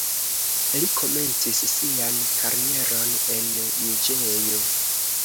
Li komencis sian karieron en juĝejo.